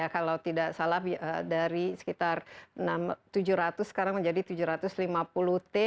kalau tidak salah dari sekitar tujuh ratus sekarang menjadi tujuh ratus lima puluh t